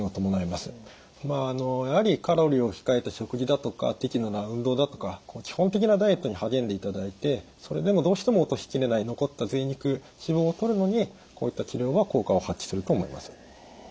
まあやはりカロリーを控えた食事だとか適度な運動だとか基本的なダイエットに励んでいただいてそれでもどうしても落としきれない残ったぜい肉脂肪をとるのにこういった治療は効果を発揮すると思います。